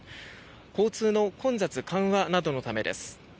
交通の混雑緩和などのためです。